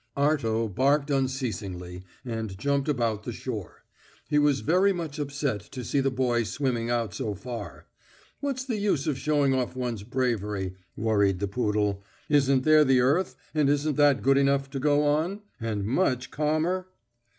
Arto barked unceasingly, and jumped about the shore. He was very much upset to see the boy swimming out so far. "What's the use of showing off one's bravery?" worried the poodle. "Isn't there the earth, and isn't that good enough to go on, and much calmer?"